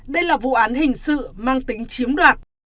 đây là vụ án hình sự mang tính chiếm đoạt